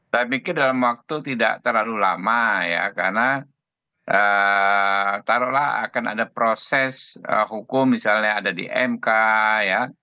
saya pikir dalam waktu tidak terlalu lama ya karena taruhlah akan ada proses hukum misalnya ada di mk ya